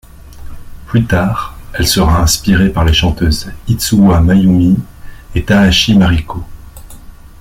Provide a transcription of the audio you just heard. Plus tard, elle sera inspiré par les chanteuses Itsuwa Mayumi et Takahashi Mariko.